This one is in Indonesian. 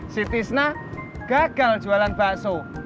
si tisna gagal jualan bakso